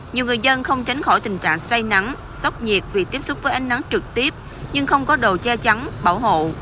nhiều người dân không tránh khỏi tình trạng say nắng sốc nhiệt vì tiếp xúc với ánh nắng trực tiếp nhưng không có đồ che chắn bảo hộ